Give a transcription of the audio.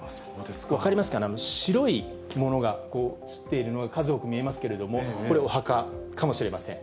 分かりますか、白いものがこう写っているのが数多く見えますけれども、これ、お墓かもしれません。